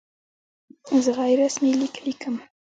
زه غیر رسمي لیک لیکم.